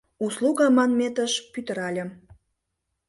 «Услуга» манметыш пӱтыральым.